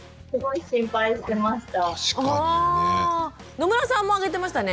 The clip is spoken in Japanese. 野村さんも挙げてましたね。